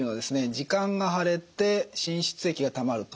耳管が腫れて滲出液がたまると。